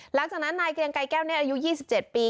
หลังจากนั้นนายเกรียงไกรแก้วเน่อายุ๒๗ปี